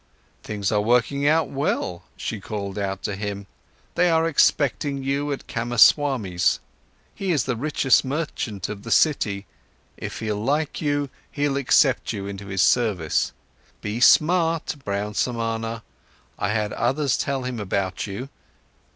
"Things are working out well," she called out to him. "They are expecting you at Kamaswami's, he is the richest merchant of the city. If he'll like you, he'll accept you into his service. Be smart, brown Samana. I had others tell him about you.